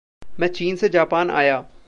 मैं चीन से जापान आया।